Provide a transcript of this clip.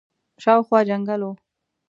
شاوخوا جنګل وو.